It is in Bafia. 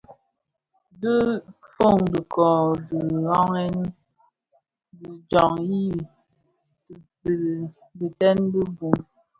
Dhi fon kitoň didhagen di jaň i biteën bi bum,